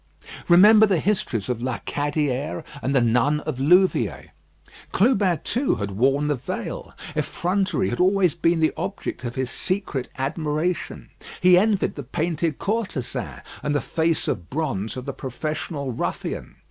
Remember the histories of La Cadière and the nun of Louviers. Clubin, too, had worn the veil. Effrontery had always been the object of his secret admiration. He envied the painted courtesan, and the face of bronze of the professional ruffian.